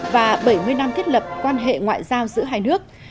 và bảy mươi năm thiết lập quan hệ ngoại giao giữa hai nước